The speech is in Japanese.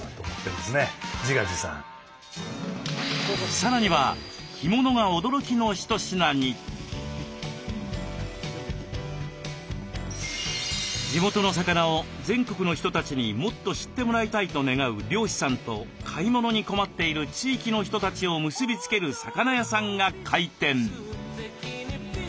さらには地元の魚を全国の人たちにもっと知ってもらいたいと願う漁師さんと買い物に困っている地域の人たちを結び付ける魚屋さんが開店。